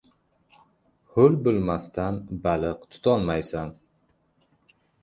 • Ho‘l bo‘lmasdan baliq tutolmaysan.